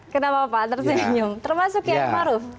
kenapa pak tersenyum termasuk kiai maruf